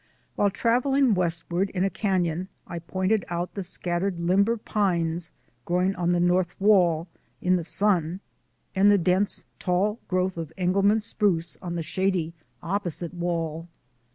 While travelling west ward in a canon I pointed out the scattered limber pines growing on the north wall, in the sun, and the dense, tall growth of Engelmann spruce on the shady, opposite wall.